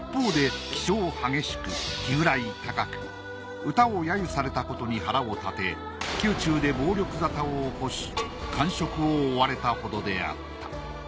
一方で歌を揶揄されたことに腹を立て宮中で暴力沙汰を起こし官職を追われたほどであった。